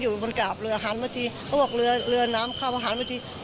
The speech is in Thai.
พูดสิทธิ์ข่าวธรรมดาทีวีรายงานสดจากโรงพยาบาลพระนครศรีอยุธยาครับ